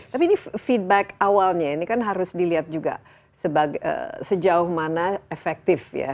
tapi ini feedback awalnya ini kan harus dilihat juga sejauh mana efektif ya